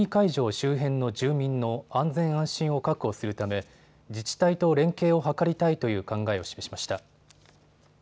周辺の住民の安全安心を確保するため自治体と連携を図りたいという考えを示しました。